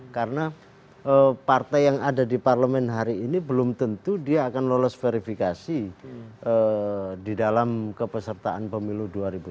karena partai yang ada di parlemen hari ini belum tentu dia akan lolos verifikasi di dalam kepesertaan pemilu dua ribu sembilan belas